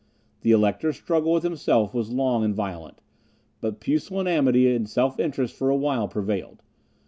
The Elector's struggle with himself was long and violent, but pusillanimity and self interest for awhile prevailed.